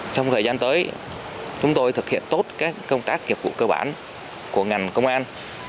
trong thời gian tới chúng tôi thực hiện tốt các công tác kiệp vụ cơ bản của ngành công an